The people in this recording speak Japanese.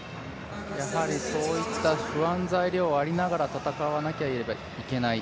そういった不安材料がありながら戦わなければいけない